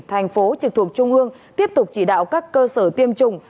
thành phố trực thuộc trung ương tiếp tục chỉ đạo các cơ sở tiêm chủng